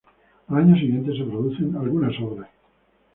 Al año siguiente se producen algunas obras.